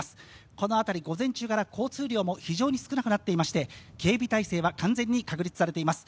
この辺り、午前中から交通量も非常に少なくなっていまして警備態勢は完全に確立されています。